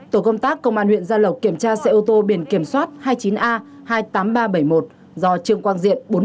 tổ công tác công an huyện gia lộc kiểm tra xe ô tô biển kiểm soát hai mươi chín a hai mươi tám nghìn ba trăm bảy mươi một do trương quang diện